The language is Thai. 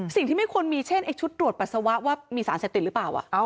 สิ่งที่ไม่ควรมีเช่นชุดตรวจปัสสาวะว่ามีสารเสต็ดติดหรือเปล่า